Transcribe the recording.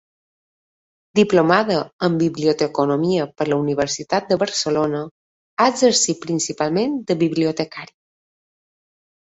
Diplomada en biblioteconomia per la Universitat de Barcelona, ha exercit principalment de bibliotecària.